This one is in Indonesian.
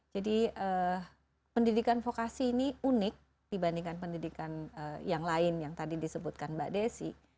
jadi pendidikan vokasi ini unik dibandingkan pendidikan yang lain yang tadi disebutkan mbak desi